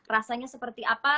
rasanya seperti apa